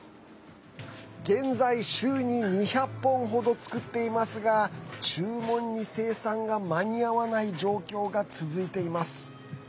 現在、週に２００本程造っていますが注文に生産が間に合わない状況が続いています。